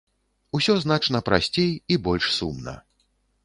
Усё значна прасцей і больш сумна.